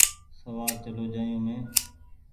سوآر چلو جآيو مينٚ